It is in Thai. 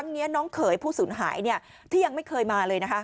ครั้งเนี้ยน้องเขยผู้ศูนย์หายเนี้ยที่ยังไม่เคยมาเลยนะคะ